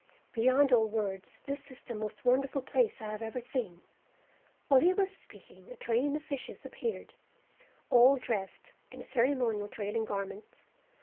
Beyond all words, this is the most wonderful place I have ever seen." While he was speaking a train of fishes appeared, all dressed in ceremonial, trailing garments.